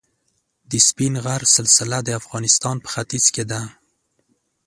د سپین غر سلسله د افغانستان په ختیځ کې ده.